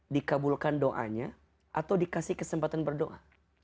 dikabulkan doanya atau dikasih kesempatan berdoa